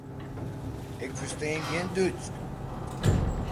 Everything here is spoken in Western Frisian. Ik ferstean gjin Dútsk.